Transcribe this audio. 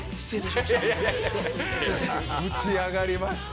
仕上がりました。